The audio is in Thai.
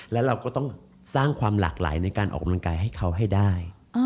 และเราก็ต้องสร้างความหลากหลายในการออกกำลังกายให้เขาให้ได้